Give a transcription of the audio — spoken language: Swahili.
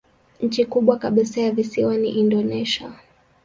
Nchi kubwa kabisa ya visiwani ni Indonesia.